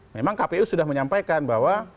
memang kpu sudah menyampaikan bahwa